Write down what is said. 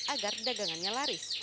agar dagangannya laris